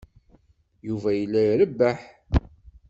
Yuba yella irebbeḥ.